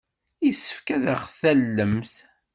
Yessefk ad aɣ-tallemt.